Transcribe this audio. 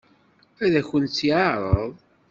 Ad akent-tt-yeɛṛeḍ?